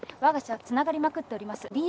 わが社はつながりまくっております。